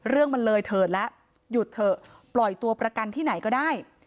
เรื่องมันเลยเถิดแล้วหยุดเถอะปล่อยตัวประกันที่ไหนก็ได้